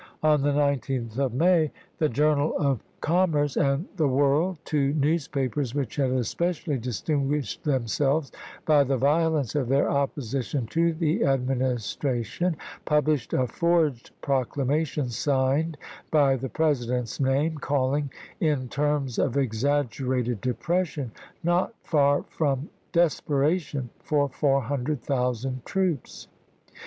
On the 19th of May the im. 48 ABKAHAM LINCOLN chap. ii. " Journal of Commerce" and the "World," two newspapers which had especially distinguished themselves by the violence of their opposition to the Administration, published a forged proclama tion, signed by the President's name, calling, in terms of exaggerated depression not far from des peration, for four hundred thousand troops.